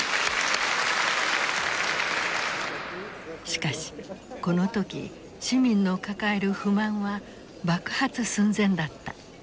しかしこの時市民の抱える不満は爆発寸前だった。